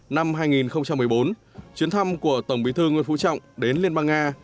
năm hai nghìn một mươi bốn chuyến thăm của tổng bí thư nguyễn phú trọng đến liên bang nga